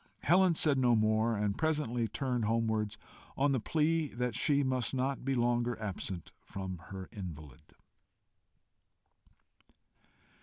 Helen said no more, and presently turned homewards, on the plea that she must not be longer absent from her invalid.